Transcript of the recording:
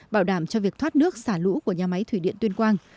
bảo đảm cho việc thoát nước xả lũ của nhà máy thủy điện tuyên quang